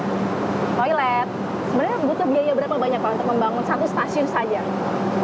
sebenarnya butuh biaya berapa banyak pak untuk membangun satu stasiun saja